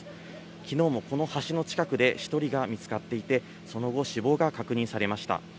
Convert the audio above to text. きのうもこの橋の近くで１人が見つかっていて、その後、死亡が確認されました。